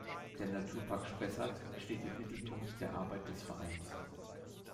Der Naturpark Spessart steht im Mittelpunkt der Arbeit des Vereins.